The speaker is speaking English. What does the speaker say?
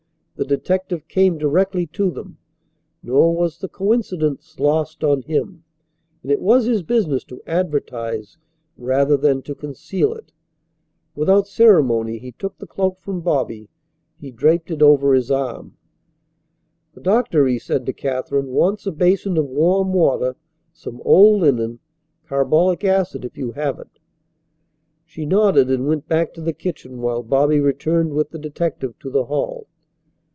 The detective came directly to them; nor was the coincidence lost on him, and it was his business to advertise rather than to conceal it. Without ceremony he took the cloak from Bobby. He draped it over his arm. "The doctor," he said to Katherine, "wants a basin of warm water, some old linen, carbolic acid, if you have it." She nodded and went back to the kitchen while Bobby returned with the detective to the hall.